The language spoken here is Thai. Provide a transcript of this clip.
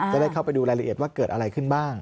จะได้เข้าไปดูรายละเอียดว่าเกิดอะไรขึ้นบ้าง